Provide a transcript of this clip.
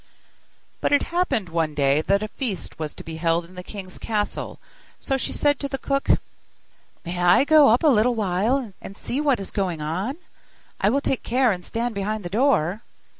But it happened one day that a feast was to be held in the king's castle, so she said to the cook, 'May I go up a little while and see what is going on? I will take care and stand behind the door.